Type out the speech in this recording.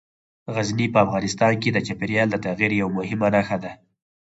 غزني په افغانستان کې د چاپېریال د تغیر یوه مهمه نښه ده.